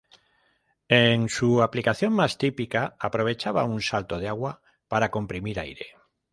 En su aplicación más típica aprovechaba un salto de agua para comprimir aire.